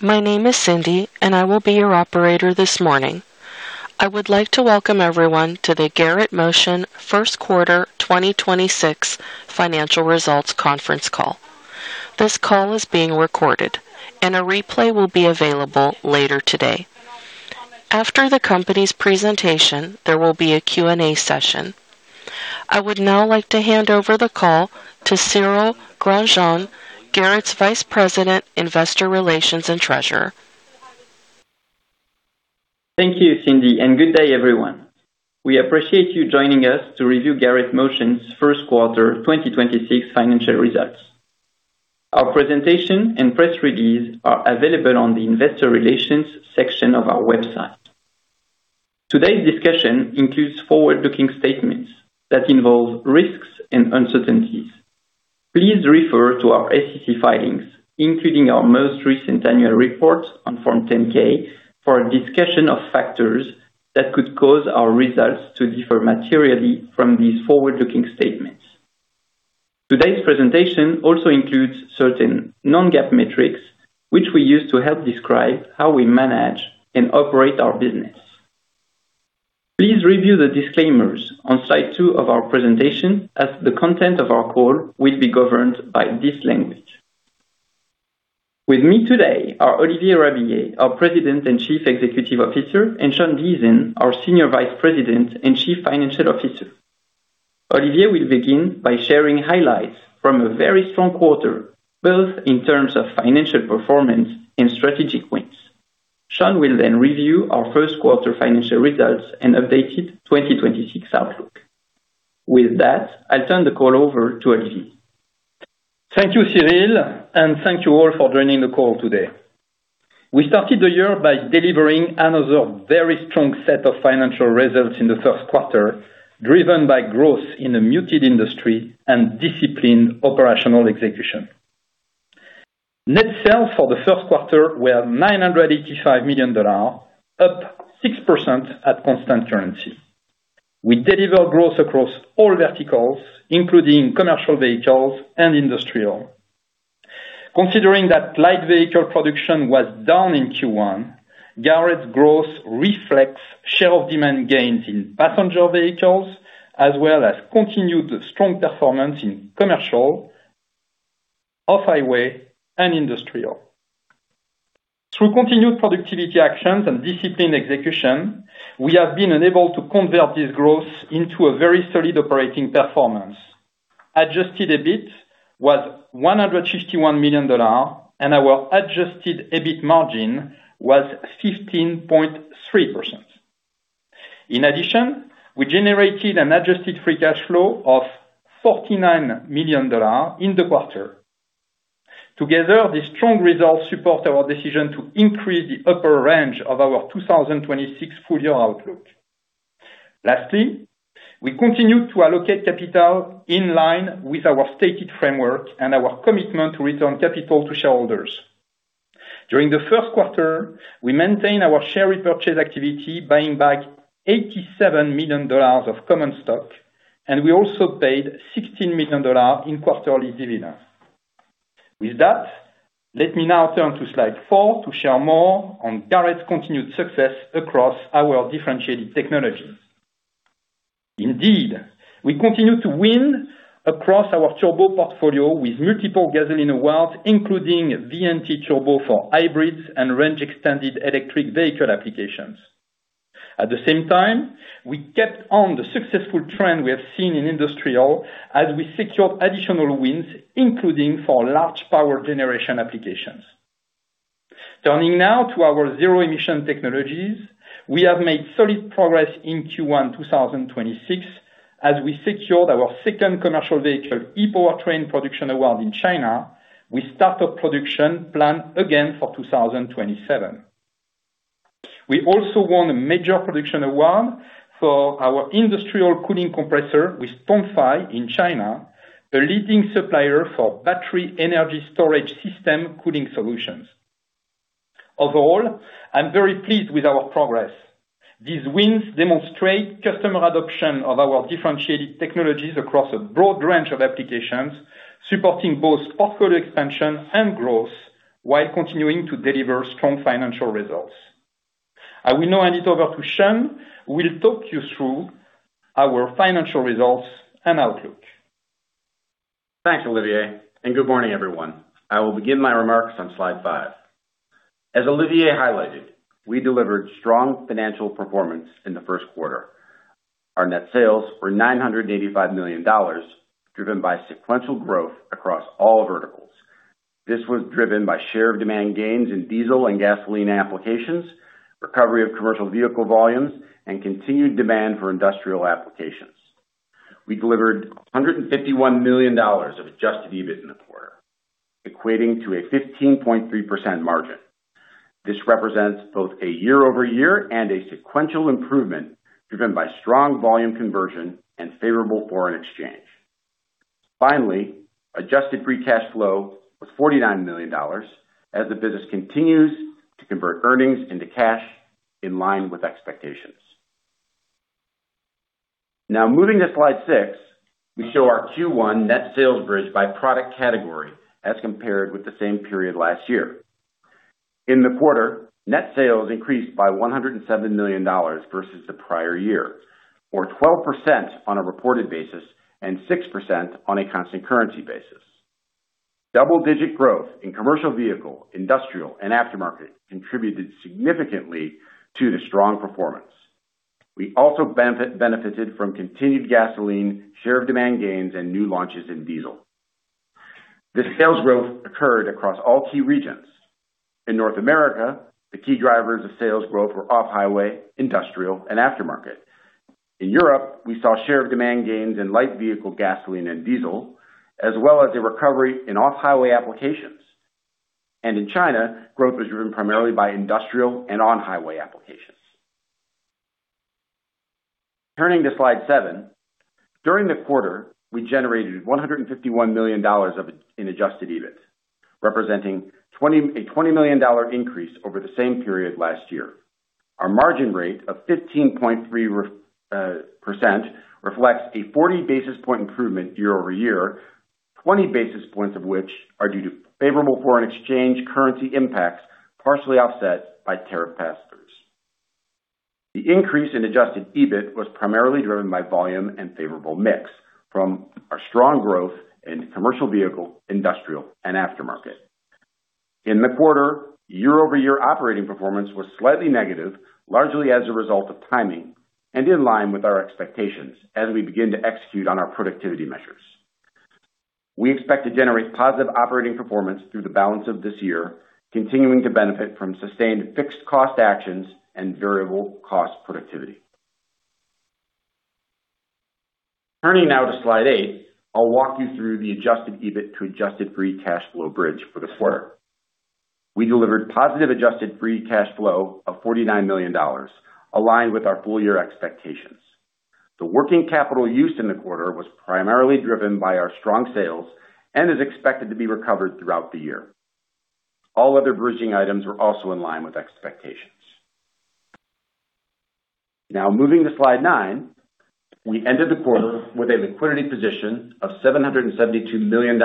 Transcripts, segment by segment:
Hello, my name is Cindy, and I will be your operator this morning. I would like to welcome everyone to the Garrett Motion First Quarter 2026 financial results conference call. This call is being recorded, and a replay will be available later today. After the company's presentation, there will be a Q&A session. I would now like to hand over the call to Cyril Grandjean, Garrett's Vice President, Investor Relations and Treasurer. Thank you, Cindy, and good day, everyone. We appreciate you joining us to review Garrett Motion's first quarter 2026 financial results. Our presentation and press release are available on the investor relations section of our website. Today's discussion includes forward-looking statements that involve risks and uncertainties. Please refer to our SEC filings, including our most recent annual report on Form 10-K, for a discussion of factors that could cause our results to differ materially from these forward-looking statements. Today's presentation also includes certain non-GAAP metrics, which we use to help describe how we manage and operate our business. Please review the disclaimers on Slide 2 of our presentation as the content of our call will be governed by this language. With me today are Olivier Rabiller, our President and Chief Executive Officer, and Sean Deason, our Senior Vice President and Chief Financial Officer. Olivier will begin by sharing highlights from a very strong quarter, both in terms of financial performance and strategic wins. Sean will then review our first quarter financial results and updated 2026 outlook. With that, I'll turn the call over to Olivier. Thank you, Cyril, and thank you all for joining the call today. We started the year by delivering another very strong set of financial results in the first quarter, driven by growth in a muted industry and disciplined operational execution. Net sales for the first quarter were $985 million, up 6% at constant currency. We delivered growth across all verticals, including commercial vehicles and industrial. Considering that light vehicle production was down in Q1, Garrett's growth reflects share of demand gains in passenger vehicles as well as continued strong performance in commercial, off-highway, and industrial. Through continued productivity actions and disciplined execution, we have been unable to convert this growth into a very solid operating performance. Adjusted EBIT was $151 million, and our Adjusted EBIT margin was 15.3%. In addition, we generated an adjusted free cash flow of $49 million in the quarter. Together, these strong results support our decision to increase the upper range of our 2026 full-year outlook. Lastly, we continue to allocate capital in line with our stated framework and our commitment to return capital to shareholders. During the first quarter, we maintained our share repurchase activity, buying back $87 million of common stock, and we also paid $16 million in quarterly dividends. With that, let me now turn to Slide 4 to share more on Garrett's continued success across our differentiated technologies. Indeed, we continue to win across our turbo portfolio with multiple gasoline awards, including VNT Turbo for hybrids and range extended electric vehicle applications. At the same time, we kept on the successful trend we have seen in industrial as we secured additional wins, including for large power generation applications. Turning now to our zero-emission technologies. We have made solid progress in Q1 2026 as we secured our second commercial vehicle E-Powertrain production award in China. We start our production plan again for 2027. We also won a major production award for our industrial cooling compressor with TONFY in China, a leading supplier for battery energy storage system cooling solutions. Overall, I'm very pleased with our progress. These wins demonstrate customer adoption of our differentiated technologies across a broad range of applications, supporting both off-road expansion and growth while continuing to deliver strong financial results. I will now hand it over to Sean, who will talk you through our financial results and outlook. Thanks, Olivier. Good morning, everyone. I will begin my remarks on Slide 5. As Olivier highlighted, we delivered strong financial performance in the first quarter. Our net sales were $985 million, driven by sequential growth across all verticals. This was driven by share demand gains in diesel and gasoline applications, recovery of commercial vehicle volumes, and continued demand for industrial applications. We delivered $151 million of Adjusted EBIT in the quarter, equating to a 15.3% margin. This represents both a year-over-year and a sequential improvement driven by strong volume conversion and favorable foreign exchange. Adjusted free cash flow was $49 million as the business continues to convert earnings into cash in line with expectations. Moving to Slide 6, we show our Q1 net sales bridge by product category as compared with the same period last year. In the quarter, net sales increased by $107 million versus the prior year, or 12% on a reported basis and 6% on a constant currency basis. Double-digit growth in commercial vehicle, industrial, and Aftermarket contributed significantly to the strong performance. We also benefited from continued gasoline share of demand gains and new launches in diesel. The sales growth occurred across all key regions. In North America, the key drivers of sales growth were off-highway, industrial, and Aftermarket. In Europe, we saw share of demand gains in light vehicle gasoline and diesel, as well as a recovery in off-highway applications. In China, growth was driven primarily by industrial and on-highway applications. Turning to Slide 7, during the quarter, we generated $151 million in Adjusted EBIT, representing a $20 million increase over the same period last year. Our margin rate of 15.3% reflects a 40 basis point improvement year-over-year, 20 basis points of which are due to favorable foreign exchange currency impacts, partially offset by tariff pass-throughs. The increase in Adjusted EBIT was primarily driven by volume and favorable mix from our strong growth in commercial vehicle, industrial, and Aftermarket. In the quarter, year-over-year operating performance was slightly negative, largely as a result of timing and in line with our expectations as we begin to execute on our productivity measures. We expect to generate positive operating performance through the balance of this year, continuing to benefit from sustained fixed cost actions and variable cost productivity. Turning now to Slide 8, I'll walk you through the Adjusted EBIT to Adjusted free cash flow bridge for the quarter. We delivered positive Adjusted free cash flow of $49 million, aligned with our full year expectations. The working capital used in the quarter was primarily driven by our strong sales and is expected to be recovered throughout the year. All other bridging items were also in line with expectations. Now moving to Slide 9, we ended the quarter with a liquidity position of $772 million,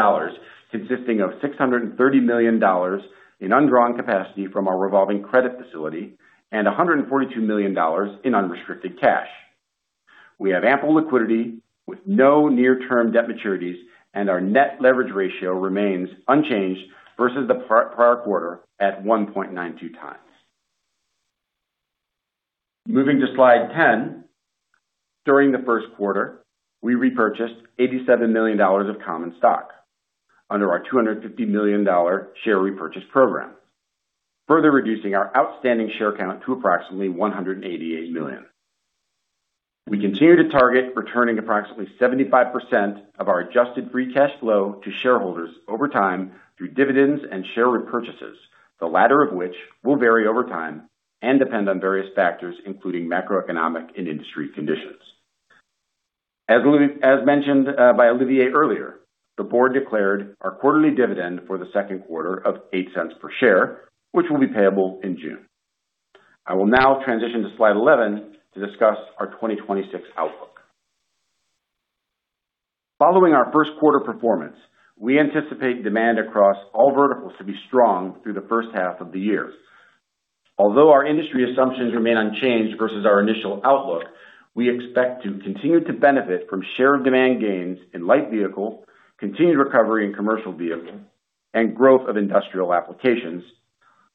consisting of $630 million in undrawn capacity from our revolving credit facility and $142 million in unrestricted cash. We have ample liquidity with no near-term debt maturities, and our net leverage ratio remains unchanged versus the prior quarter at 1.92x. Moving to Slide 10, during the first quarter, we repurchased $87 million of common stock under our $250 million share repurchase program, further reducing our outstanding share count to approximately 188 million. We continue to target returning approximately 75% of our Adjusted free cash flow to shareholders over time through dividends and share repurchases, the latter of which will vary over time and depend on various factors, including macroeconomic and industry conditions. As mentioned by Olivier earlier, the board declared our quarterly dividend for the second quarter of $0.08 per share, which will be payable in June. I will now transition to Slide 11 to discuss our 2026 outlook. Following our first quarter performance, we anticipate demand across all verticals to be strong through the first half of the year. Although our industry assumptions remain unchanged versus our initial outlook, we expect to continue to benefit from share of demand gains in light vehicles, continued recovery in commercial vehicles, and growth of industrial applications,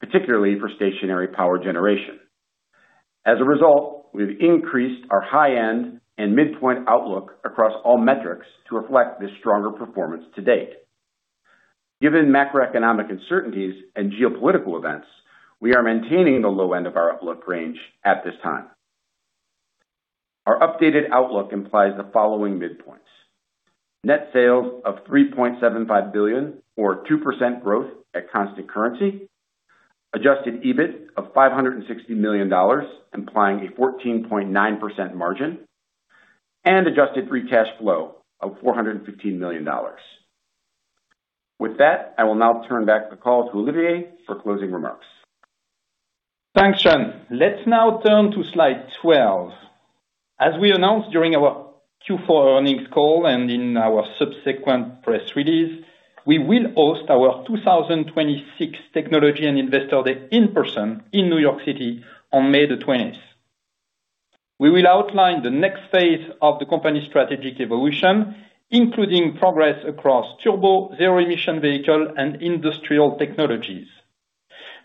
particularly for stationary power generation. As a result, we've increased our high-end and midpoint outlook across all metrics to reflect this stronger performance to date. Given macroeconomic uncertainties and geopolitical events, we are maintaining the low end of our outlook range at this time. Our updated outlook implies the following midpoints: Net sales of $3.75 billion or 2% growth at constant currency, Adjusted EBIT of $560 million, implying a 14.9% margin, and Adjusted free cash flow of $415 million. With that, I will now turn back the call to Olivier for closing remarks. Thanks, Sean. Let's now turn to Slide 12. As we announced during our Q4 earnings call and in our subsequent press release, we will host our 2026 Technology and Investor Day in person in New York City on May 20th. We will outline the next phase of the company's strategic evolution, including progress across turbo, zero-emission vehicle, and industrial technologies.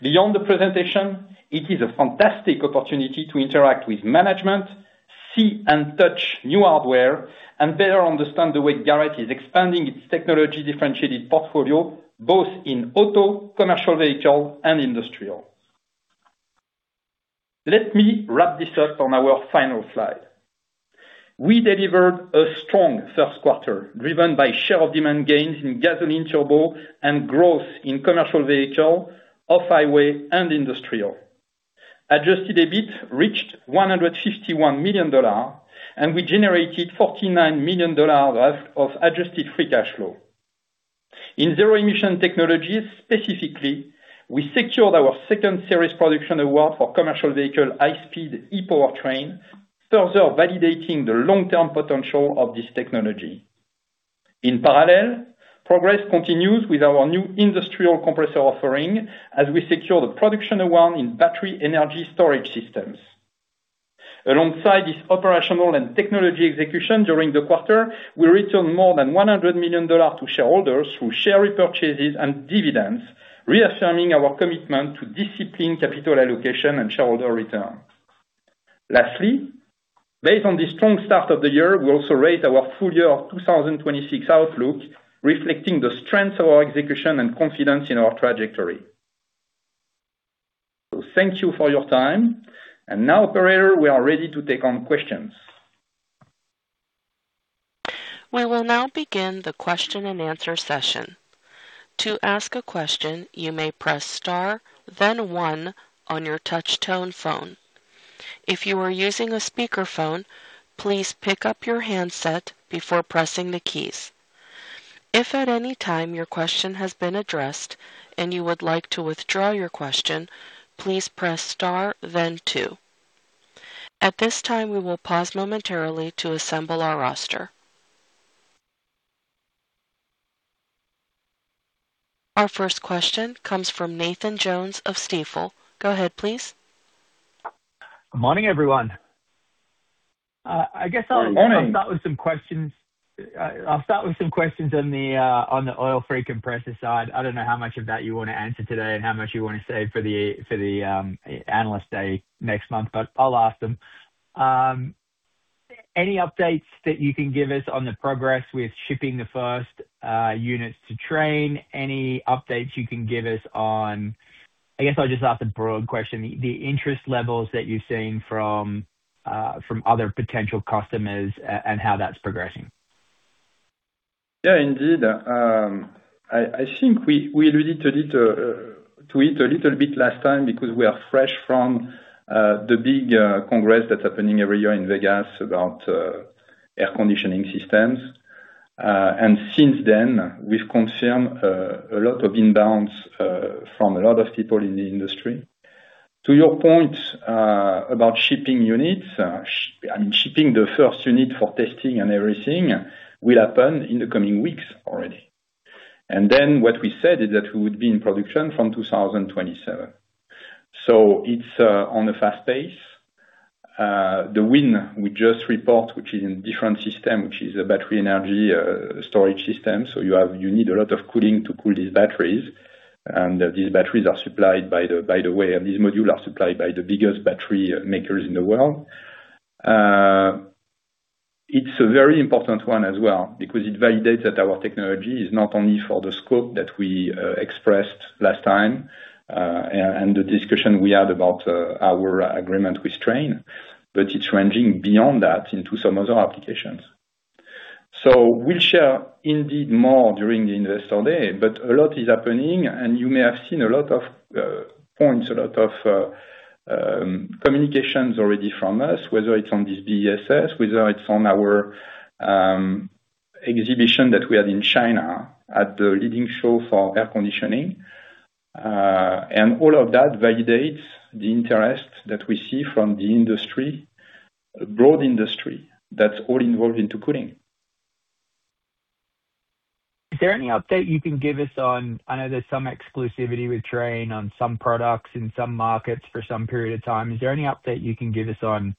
Beyond the presentation, it is a fantastic opportunity to interact with management, see and touch new hardware, and better understand the way Garrett is expanding its technology differentiated portfolio, both in auto, commercial vehicle, and industrial. Let me wrap this up on our final slide. We delivered a strong first quarter, driven by share of demand gains in gasoline turbo and growth in commercial vehicle, off-highway, and industrial. Adjusted EBIT reached $151 million, and we generated $49 million of adjusted free cash flow. In zero emission technologies specifically, we secured our second series production award for commercial vehicle high speed E-powertrain, further validating the long-term potential of this technology. In parallel, progress continues with our new industrial compressor offering as we secure the production award in battery energy storage systems. Alongside this operational and technology execution during the quarter, we returned more than $100 million to shareholders through share repurchases and dividends, reaffirming our commitment to disciplined capital allocation and shareholder return. Lastly, based on the strong start of the year, we also raised our full year 2026 outlook, reflecting the strength of our execution and confidence in our trajectory. Thank you for your time, and now operator, we are ready to take on questions. Our first question comes from Nathan Jones of Stifel. Go ahead, please. Good morning, everyone. Good morning. I'll start with some questions on the oil free compressor side. I don't know how much of that you wanna answer today and how much you wanna save for the analyst day next month. I'll ask them. Any updates that you can give us on the progress with shipping the first units to Trane? Any updates you can give us. I guess I'll just ask a broad question. The interest levels that you've seen from other potential customers and how that's progressing. Indeed. I think we alluded to it to it a little bit last time because we are fresh from the big congress that's happening every year in Vegas about air conditioning systems. Since then, we've confirmed a lot of inbounds from a lot of people in the industry. To your point, about shipping units, I mean, shipping the first unit for testing and everything will happen in the coming weeks already. What we said is that we would be in production from 2027. It's on a fast pace. The win we just report, which is in different system, which is a Battery Energy Storage System. You need a lot of cooling to cool these batteries. These batteries are supplied by the way, and these modules are supplied by the biggest battery makers in the world. It's a very important one as well because it validates that our technology is not only for the scope that we expressed last time, and the discussion we had about our agreement with Trane, but it's ranging beyond that into some other applications. We'll share indeed more during the Investor Day, but a lot is happening, and you may have seen a lot of points, a lot of communications already from us, whether it's on this BESS, whether it's on our exhibition that we had in China at the leading show for air conditioning. All of that validates the interest that we see from the industry, broad industry that's all involved into cooling. Is there any update you can give us on? I know there's some exclusivity with Trane on some products in some markets for some period of time. Is there any update you can give us on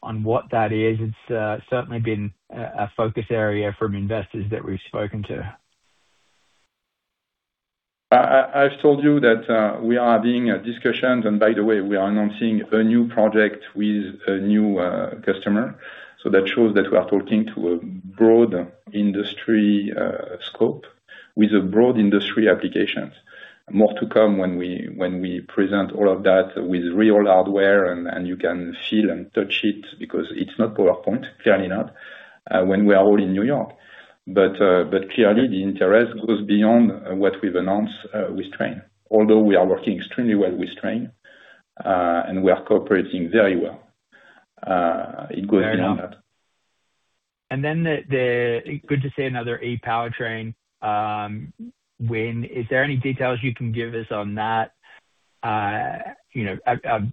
what that is? It's certainly been a focus area from investors that we've spoken to. I've told you that we are having discussions, and by the way, we are announcing a new project with a new customer. That shows that we are talking to a broad industry scope with a broad industry applications. More to come when we present all of that with real hardware and you can feel and touch it because it's not PowerPoint, clearly not when we are all in New York. Clearly the interest goes beyond what we've announced with Trane. Although we are working extremely well with Trane, and we are cooperating very well. It goes beyond that. Fair enough. Good to see another E-Powertrain. Is there any details you can give us on that? You know, I'm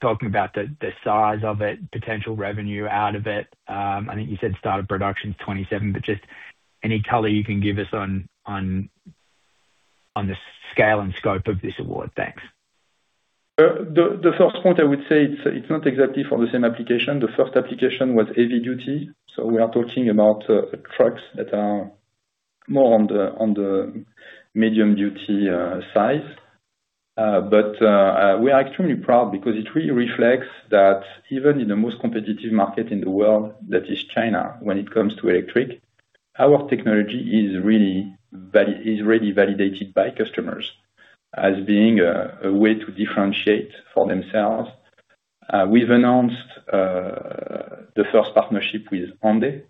talking about the size of it, potential revenue out of it. I think you said start of production is 2027, just any color you can give us on the scale and scope of this award. Thanks. The first point I would say it's not exactly for the same application. The first application was heavy duty, so we are talking about trucks that are more on the medium duty size. We are extremely proud because it really reflects that even in the most competitive market in the world, that is China, when it comes to electric, our technology is really validated by customers as being a way to differentiate for themselves. We've announced the first partnership with HanDe.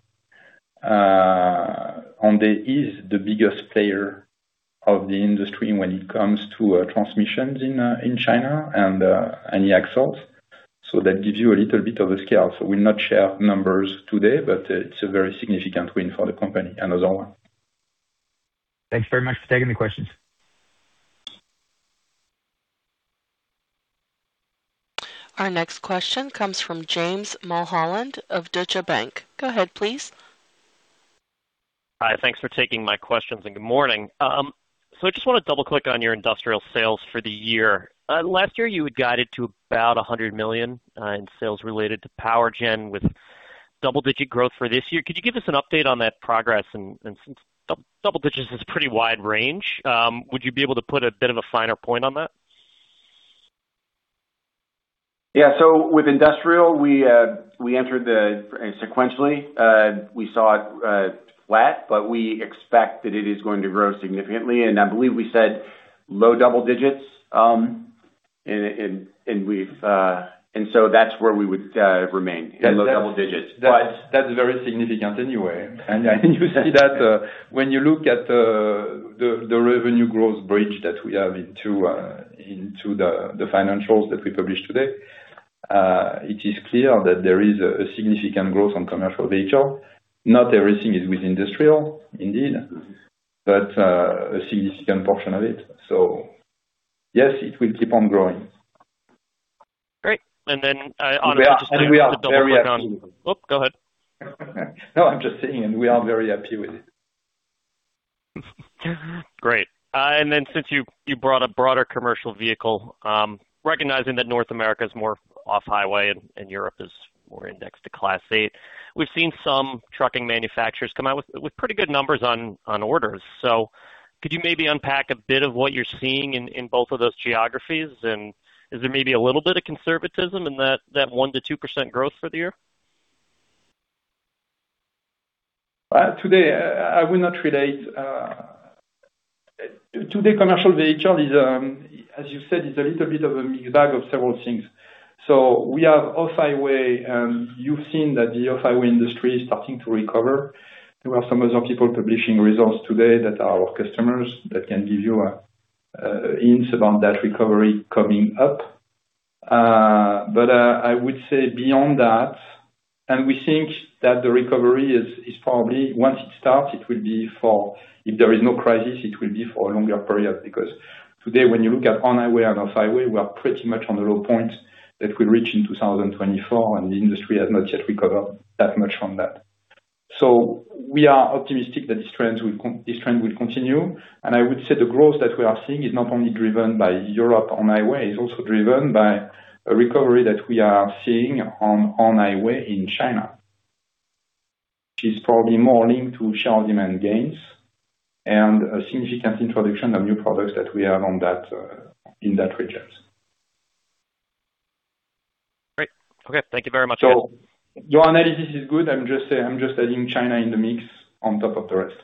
HanDe is the biggest player of the industry when it comes to transmissions in China and the axles. That gives you a little bit of a scale. We'll not share numbers today, but it's a very significant win for the company, another one. Thanks very much for taking the questions. Our next question comes from James Mulholland of Deutsche Bank. Go ahead, please. Hi. Thanks for taking my questions, and good morning. I just want to double-click on your industrial sales for the year. Last year, you had guided to about $100 million in sales related to power gen with double-digit growth for this year. Could you give us an update on that progress? Since double digits is a pretty wide range, would you be able to put a bit of a finer point on that? Yeah. With industrial, sequentially, we saw it flat, but we expect that it is going to grow significantly. I believe we said low double digits. That's where we would remain, in low double digits. That's very significant anyway. You see that when you look at the revenue growth bridge that we have into the financials that we published today, it is clear that there is a significant growth on commercial vehicle. Not everything is with industrial indeed, but a significant portion of it. Yes, it will keep on growing. Great. Then, Oh, go ahead. No, I'm just saying. We are very happy with it. Great. Since you brought up broader commercial vehicle, recognizing that North America is more off-highway and Europe is more indexed to Class 8. We've seen some trucking manufacturers come out with pretty good numbers on orders. Could you maybe unpack a bit of what you're seeing in both of those geographies? Is there maybe a little bit of conservatism in that 1%-2% growth for the year? Today, I will not relate. Today, commercial vehicle is, as you said, a little bit of a mix bag of several things. We have off-highway, you've seen that the off-highway industry is starting to recover. There are some other people publishing results today that are our customers that can give you a hint about that recovery coming up. I would say beyond that, and we think that the recovery is probably once it starts, it will be for If there is no crisis, it will be for a longer period, because today, when you look at on-highway and off-highway, we are pretty much on the low point that we reached in 2024. The industry has not yet recovered that much from that. We are optimistic that this trend will continue. I would say the growth that we are seeing is not only driven by Europe on-highway, it's also driven by a recovery that we are seeing on on-highway in China, which is probably more linked to share demand gains and a significant introduction of new products that we have on that in that region. Great. Okay. Thank you very much. Your analysis is good. I'm just saying, I'm just adding China in the mix on top of the rest.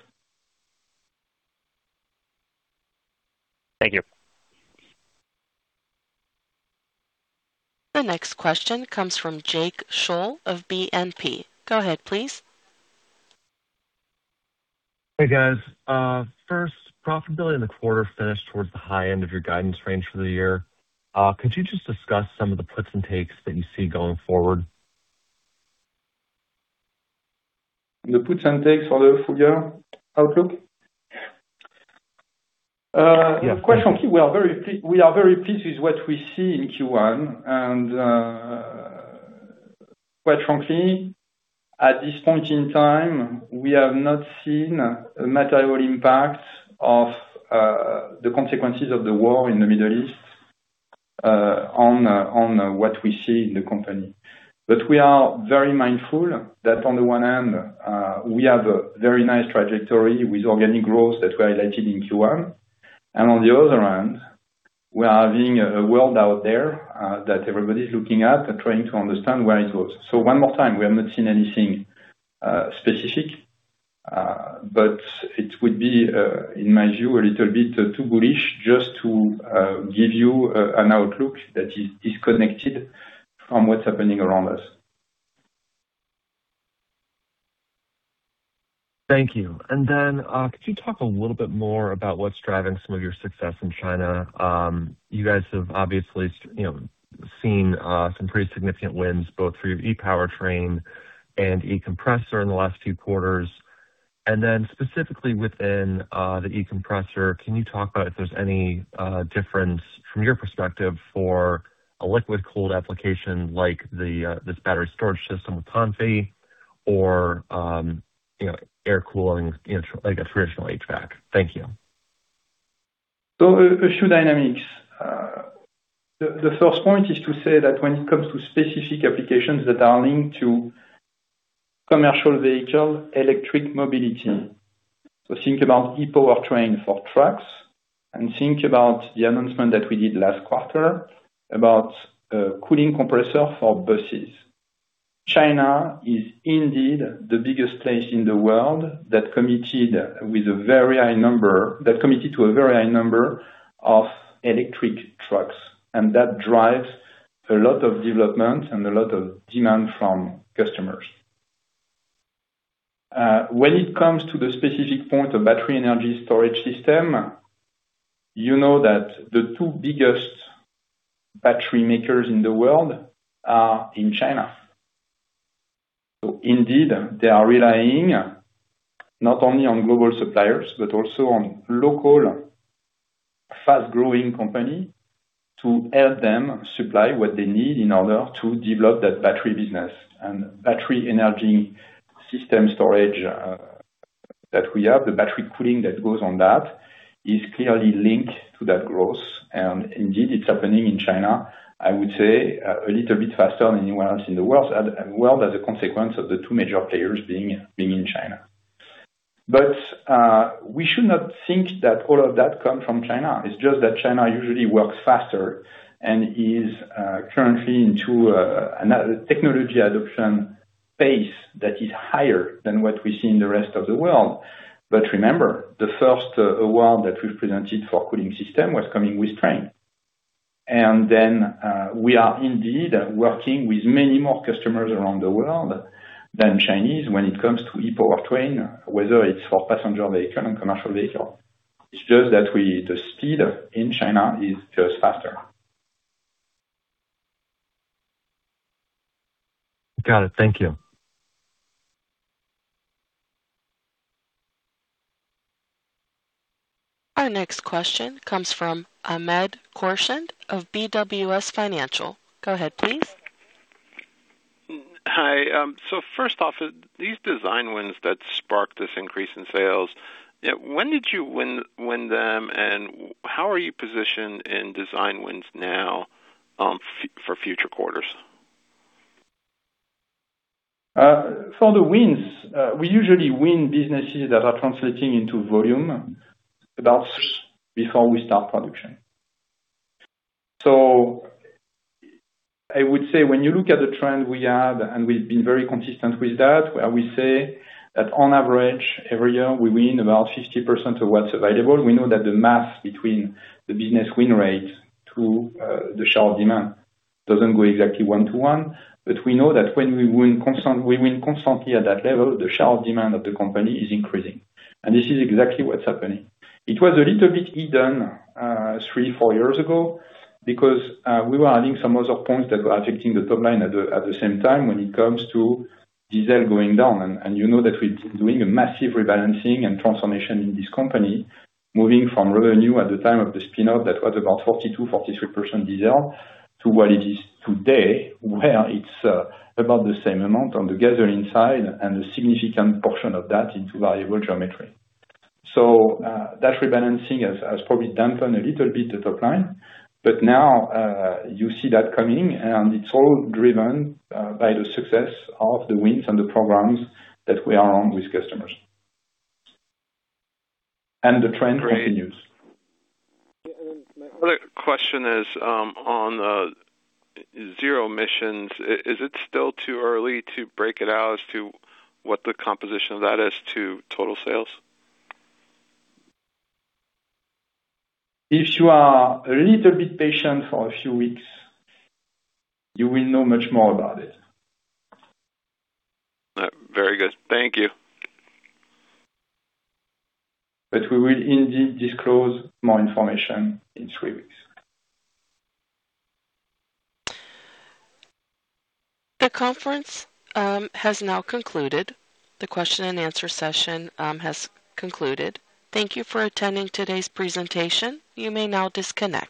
Thank you. The next question comes from Jake Scholl of BNP. Go ahead, please. Hey, guys. First, profitability in the quarter finished towards the high end of your guidance range for the year. Could you just discuss some of the puts and takes that you see going forward? The puts and takes for the full year outlook? Yeah. Quite frankly, we are very pleased with what we see in Q1. Quite frankly, at this point in time, we have not seen a material impact of the consequences of the war in the Middle East on what we see in the company. We are very mindful that on the one hand, we have a very nice trajectory with organic growth that we highlighted in Q1. On the other hand, we are having a world out there that everybody is looking at and trying to understand where it goes. One more time, we have not seen anything specific, but it would be in my view, a little bit too bullish just to give you an outlook that is disconnected from what's happening around us. Thank you. Could you talk a little bit more about what's driving some of your success in China? You guys have obviously, you know, seen some pretty significant wins, both for your E-Powertrain and E-Compressor in the last few quarters. Specifically within the E-Compressor, can you talk about if there's any difference from your perspective for a liquid-cooled application like this battery storage system with TONFY or, you know, air cooling, you know, like a traditional HVAC? Thank you. A few dynamics. The first point is to say that when it comes to specific applications that are linked to commercial vehicle electric mobility, think about E-Powertrain for trucks, and think about the announcement that we did last quarter about cooling compressor for buses. China is indeed the biggest place in the world that committed to a very high number of electric trucks, and that drives a lot of development and a lot of demand from customers. When it comes to the specific point of battery energy storage system, you know that the two biggest battery makers in the world are in China. Indeed, they are relying not only on global suppliers, but also on local fast-growing company to help them supply what they need in order to develop that battery business. Battery energy system storage that we have, the battery cooling that goes on that is clearly linked to that growth. Indeed, it's happening in China, I would say, a little bit faster than anywhere else in the world, well, as a consequence of the two major players being in China. We should not think that all of that come from China. It's just that China usually works faster and is currently into a technology adoption pace that is higher than what we see in the rest of the world. Remember, the first award that we presented for cooling system was coming with Trane. Then, we are indeed working with many more customers around the world than Chinese when it comes to E-Powertrain, whether it's for passenger vehicle and commercial vehicle. It's just that the speed in China is just faster. Got it. Thank you. Our next question comes from Hamed Khorsand of BWS Financial. Go ahead, please. Hi. First off, these design wins that sparked this increase in sales, when did you win them, how are you positioned in design wins now for future quarters? For the wins, we usually win businesses that are translating into volume about before we start production. I would say when you look at the trend we have, and we've been very consistent with that, where we say that on average, every year, we win about 50% of what's available. We know that the math between the business win rate to the share of demand doesn't go exactly one-to-one. We know that when we win constantly at that level, the share of demand of the company is increasing. This is exactly what's happening. It was a little bit hidden, three, four years ago because we were adding some other points that were affecting the top line at the same time when it comes to diesel going down. You know that we're doing a massive rebalancing and transformation in this company, moving from revenue at the time of the spin-out that was about 42%, 43% diesel to what it is today, where it's about the same amount on the [gasoline] side and a significant portion of that into variable geometry. That rebalancing has probably dampened a little bit the top line. Now, you see that coming, and it's all driven by the success of the wins and the programs that we are on with customers. The trend continues. My other question is, on zero emissions. Is it still too early to break it out as to what the composition of that is to total sales? If you are a little bit patient for a few weeks, you will know much more about it. All right. Very good. Thank you. We will indeed disclose more information in three weeks. The conference has now concluded. The question and answer session has concluded. Thank you for attending today's presentation. You may now disconnect.